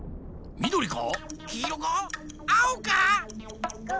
みどりか？